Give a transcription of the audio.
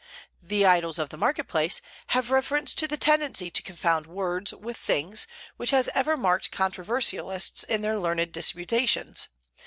"The Idols of the Market Place" have reference to the tendency to confound words with things, which has ever marked controversialists in their learned disputations.